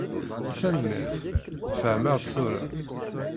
Tanemmirt, fehmeɣ-d tura.